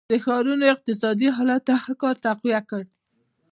د ښارونو اقتصادي حالت دغه کار تقویه کړ.